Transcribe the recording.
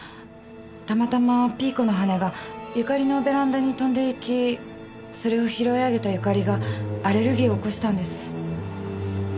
たまたまピーコの羽が由佳里のベランダに飛んでいきそれを拾い上げた由佳里がアレルギーを起こしたんです。